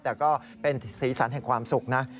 แต่ก็เป็นศีรษรรรค์แห่งความสุขนะ